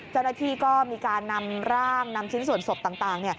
เจ้าหน้าที่ก็มีการนำร่างนำชิ้นส่วนศพต่าง